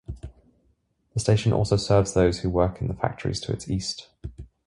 The station also serves those who work in the factories to its east.